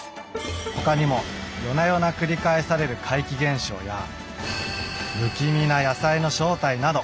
他にも夜な夜な繰り返される怪奇現象や不気味な野菜の正体など。